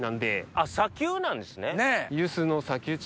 あっ砂丘なんですね。